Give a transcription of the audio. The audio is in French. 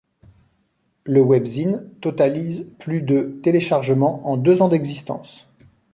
Le webzine totalise plus de téléchargements en deux ans d'existence.